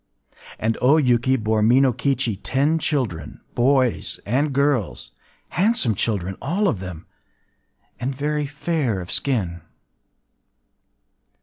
And O Yuki bore Minokichi ten children, boys and girls,—handsome children all of them, and very fair of skin.